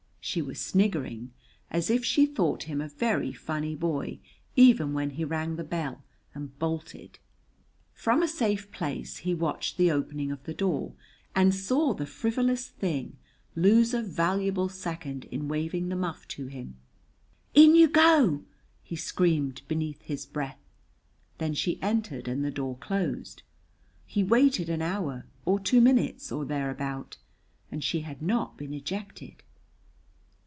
She was sniggering, as if she thought him a very funny boy, even when he rang the bell and bolted. From a safe place he watched the opening of the door, and saw the frivolous thing lose a valuable second in waving the muff to him. "In you go!" he screamed beneath his breath. Then she entered and the door closed. He waited an hour, or two minutes, or thereabout, and she had not been ejected.